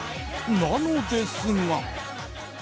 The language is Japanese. なのですが。